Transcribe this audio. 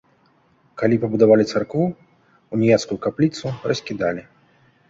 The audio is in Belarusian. Калі пабудавалі царкву, уніяцкую капліцу раскідалі.